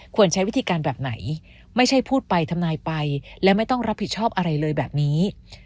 ใช้วิธีการแบบไหนไม่ใช่พูดไปทำนายไปและไม่ต้องรับผิดชอบอะไรเลยแบบนี้